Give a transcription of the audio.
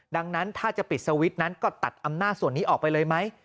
ดังนั้นถ้าจะปิดสวิตช์นั้นก็ตัดอำนาจส่วนนี้ออกไปเลยไหม